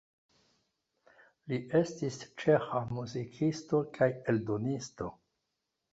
Li estis ĉeĥa muzikisto kaj eldonisto.